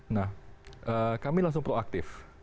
nah kami langsung proaktif